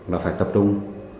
là phải tập trung